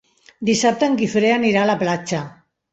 Dissabte en Guifré anirà a la platja.